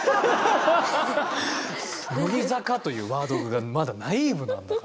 「乃木坂」というワードがまだナイーブなんだから。